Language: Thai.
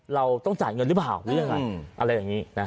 เราต้องจ่ายเงินหรือเปล่าอะไรอย่างนี้